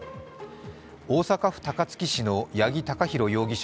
大阪府高槻市の八木貴寛容疑者